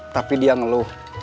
tapi dia ngeluh